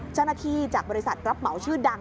เจ้าหน้าที่จากบริษัทรับเหมาชื่อดัง